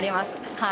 はい。